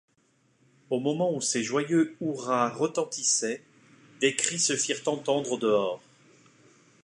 Au moment où ces joyeux hurrahs retentissaient, des cris se firent entendre au dehors.